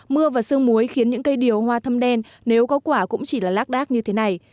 mưa và sương muối khiến những cây điều hoa thâm đen nếu có quả cũng chỉ là lác đác như thế này